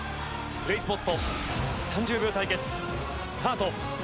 ブレイズポッド３０秒対決スタート！